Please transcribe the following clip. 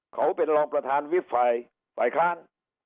เขาเป็นรองประธานวิบฝ่ายค้าน